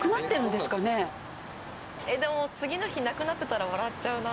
でも次の日なくなってたら笑っちゃうな。